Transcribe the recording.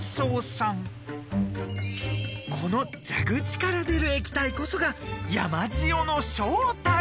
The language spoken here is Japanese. ［この蛇口から出る液体こそが山塩の正体］